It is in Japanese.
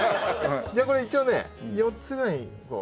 じゃあこれ一応ね４つぐらいに分けますね。